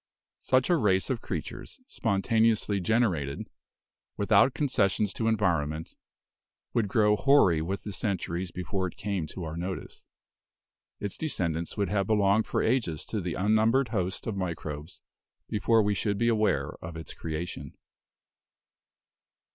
Such a race of creatures, spontaneously generated, without concessions to environment, would grow hoary with the centuries 136 BIOLOGY before it came to our notice. Its descendants would have belonged for ages to the unnumbered hosts of microbes before we should be aware of its creation.